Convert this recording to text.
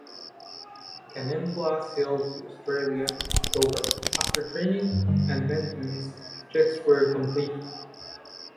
"Kanimbla" sailed to Australia in October, after training and maintenance checks were completed.